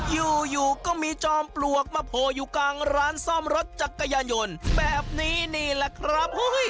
อยู่ก็มีจอมปลวกมาโผล่อยู่กลางร้านซ่อมรถจักรยานยนต์แบบนี้นี่แหละครับ